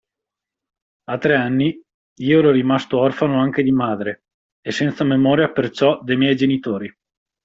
A tre anni, io ero rimasto orfano anche di madre, e senza memoria perciò de' miei genitori.